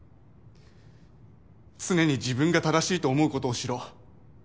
常に自分が正しいと思うことをしろ。